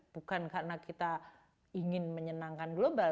bukan karena kita ingin menyenangkan global